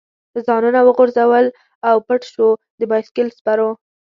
ځانونه وغورځول او پټ شو، د بایسکل سپرو.